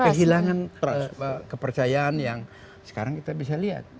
kehilangan kepercayaan yang sekarang kita bisa lihat